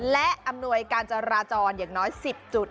และอำนวยการจราจรอย่างน้อย๑๐จุด